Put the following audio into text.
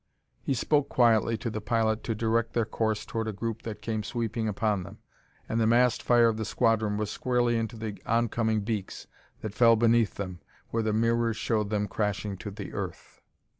He spoke quietly to the pilot to direct their course toward a group that came sweeping upon them, and the massed fire of the squadron was squarely into the oncoming beaks that fell beneath them where the mirrors showed them crashing to the earth.